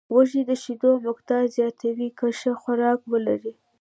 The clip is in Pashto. وزې د شیدو مقدار زیاتوي که ښه خوراک ولري